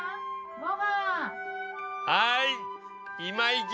はい！